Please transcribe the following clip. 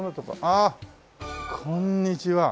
ああこんにちは。